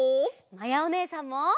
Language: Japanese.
まやおねえさんも！